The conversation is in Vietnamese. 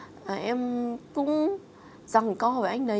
và em cũng rằng câu hỏi với anh ấy